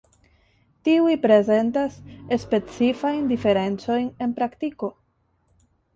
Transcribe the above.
Tiuj prezentas specifajn diferencojn en praktiko.